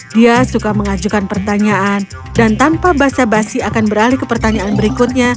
dia suka mengajukan pertanyaan dan tanpa basa basi akan beralih ke pertanyaan berikutnya